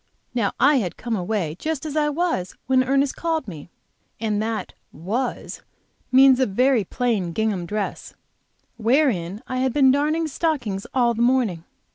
Now, I had come away just as I was, when Ernest called me, and that "was" means a very plain gingham dress wherein I had been darning stockings all the morning.